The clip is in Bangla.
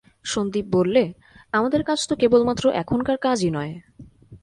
সন্দীপ বললে, আমাদের কাজ তো কেবলমাত্র এখনকার কাজই নয়।